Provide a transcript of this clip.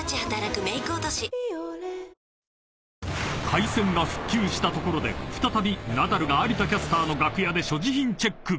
［回線が復旧したところで再びナダルが有田キャスターの楽屋で所持品チェック］